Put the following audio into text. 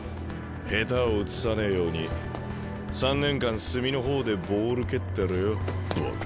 下手をうつさねえように３年間隅の方でボール蹴ってろよボケ。